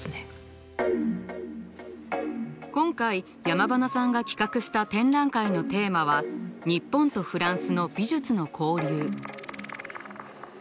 今回山塙さんが企画した展覧会のテーマは日本とフランスの美術の交流。